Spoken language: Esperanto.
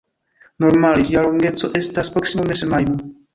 Normale ĝia longeco estas proksimume semajno.